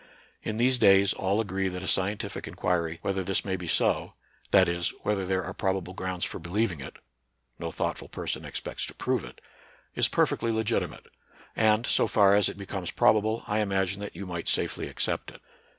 In these days, all agree that a scientific inquiry whether this may be so — that is, whether there are probable grounds for believing it (no thought ful person expects to prove it) — is perfectly legitimate ; and, so far as it becomes probable, I imagine that you might safely accept it.